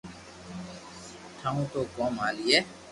ٺاو تو ڪوم ھالئي